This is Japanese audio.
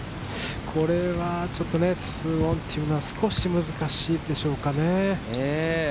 これはちょっと２オンというのは少し難しいでしょうかね。